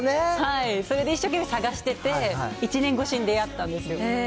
それで一生懸命探してて、１年越しに出会ったんですよ。